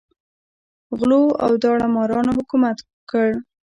غلو او داړه مارانو حکومت وکړ.